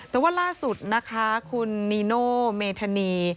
แต่ว่าล่าสุดนะคะคุณนีโน่เมธานี